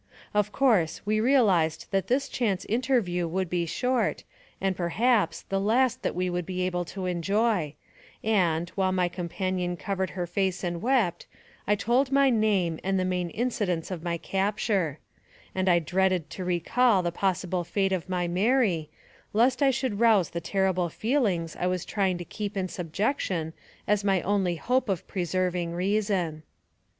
Of course, we realized that this chance interview would be short, and, perhaps, the last that we would be able to enjoy, and, while my companion covered her face and wept, I told my name and the main incidents of my capture ; and I dreaded to recall the possible fate of my Mary, lest I should rouse the terrible feel 10 114 NARRATIVE OF CAPTIVITY ings I was trying to keep in subjection as my only hope of preserving reason.